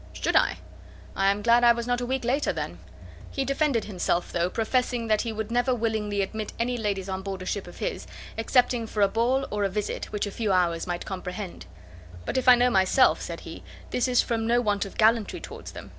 "Should I? I am glad I was not a week later then." The Admiral abused him for his want of gallantry. He defended himself; though professing that he would never willingly admit any ladies on board a ship of his, excepting for a ball, or a visit, which a few hours might comprehend. "But, if I know myself," said he, "this is from no want of gallantry towards them.